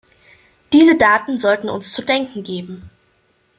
Diese Daten sollten uns zu denken geben.